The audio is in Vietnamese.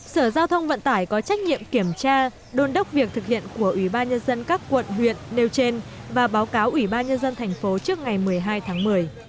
sở giao thông vận tải có trách nhiệm kiểm tra đôn đốc việc thực hiện của ủy ban nhân dân các quận huyện nêu trên và báo cáo ủy ban nhân dân thành phố trước ngày một mươi hai tháng một mươi